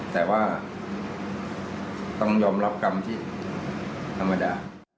แต่ว่าต้องยอมรับกรรมที่ธรรมดา